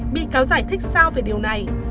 bị cáo giải thích sao về điều này